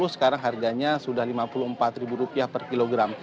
sekarang harganya sudah lima puluh empat rupiah per kilogram